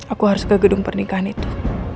aku harus ke gedung pernikahan itu